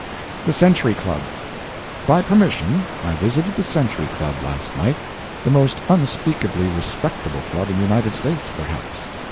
THE CENTURY CLUB By permission, I visited the Century Club last night. The most unspeakably respectable Club in the United States, perhaps.